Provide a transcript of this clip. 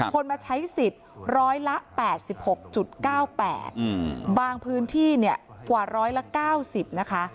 คนมาใช้สิทธิ์ร้อยละ๘๖๙๘บางพื้นที่เนี่ยกว่าร้อยละ๙๐นะคะ